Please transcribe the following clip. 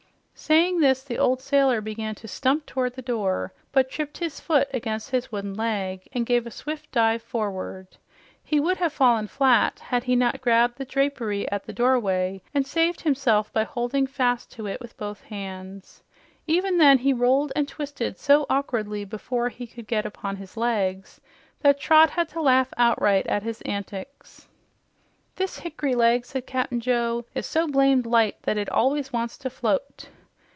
Saying this, the old sailor began to stump toward the door, but tripped his foot against his wooden leg and gave a swift dive forward. He would have fallen flat had he not grabbed the drapery at the doorway and saved himself by holding fast to it with both hands. Even then he rolled and twisted so awkwardly before he could get upon his legs that Trot had to laugh outright at his antics. "This hick'ry leg," said Cap'n Joe, "is so blamed light that it always wants to float.